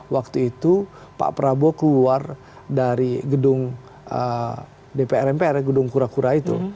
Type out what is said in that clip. waktu itu pak prabowo keluar dari gedung dpr mpr gedung kura kura itu